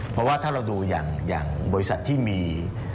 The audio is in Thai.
เพราะว่าถ้าเราดูอย่างบริษัทที่มี